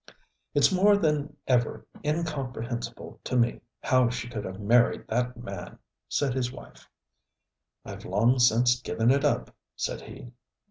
'It's more than ever incomprehensible to me how she could have married that man,' said his wife. 'I've long since given it up,' said he.